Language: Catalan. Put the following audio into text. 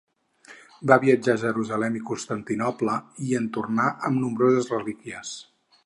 Va viatjar a Jerusalem i Constantinoble i en tornà amb nombroses relíquies.